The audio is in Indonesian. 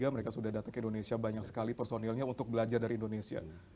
mereka sudah datang ke indonesia banyak sekali personilnya untuk belajar dari indonesia